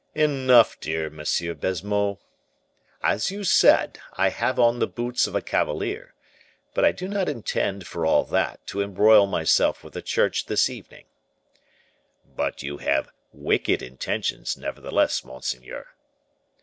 "Enough, dear M. Baisemeaux. As you said, I have on the boots of a cavalier, but I do not intend, for all that, to embroil myself with the church this evening." "But you have wicked intentions, nevertheless, monseigneur."